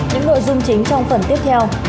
những nội dung chính trong phần tiếp theo